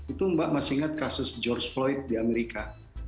itu mbak masih ingat kasus george floyd di amerika